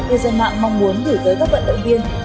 cư dân mạng mong muốn gửi tới các vận động viên